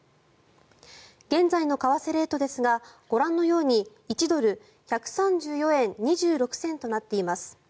現在の為替レートですがご覧のように１ドル＝１３４円２６銭となっています。